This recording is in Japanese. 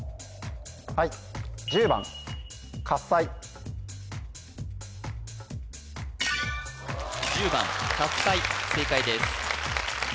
はい１０番かっさい正解です